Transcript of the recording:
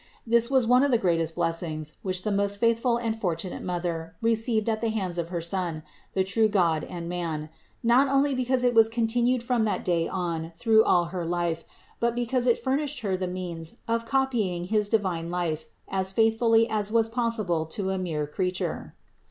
This 404 CITY OF GOD was one of the greatest blessings, which the most faithful and fortunate Mother received at the hands of her Son, the true God and man, not only because it was continued from that day on through all her life, but because it fur nished Her the means of copying his own divine life as faithfully as was possible to a mere creature.